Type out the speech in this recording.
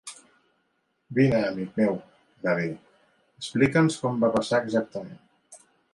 "Vine amic meu", va dir. "Explica'ns com va passar exactament".